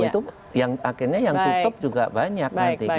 itu yang akhirnya yang tutup juga banyak nanti